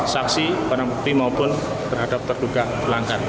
saksi penampung tim mobil terhadap terduga pelanggan